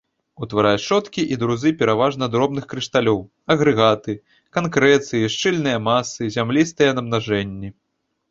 Утварае шчоткі і друзы пераважна дробных крышталёў, агрэгаты, канкрэцыі, шчыльныя масы, зямлістыя намнажэнні.